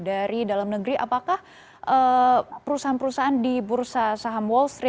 jadi kalau di luar partlaughs setelah itu bisa guys buat episode ini yang lebih berumur di bagian selanjutnya